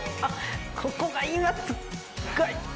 ここが今すっごい。